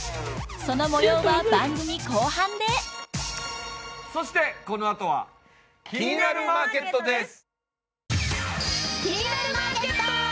その模様は番組後半でそしてこのあとは「キニナルマーケット」です